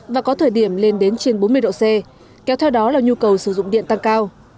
và có thời điểm lên đến trên bốn mươi độ c kéo theo đó là nhu cầu sử dụng điện tăng cao